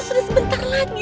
aku sudah sebentar lagi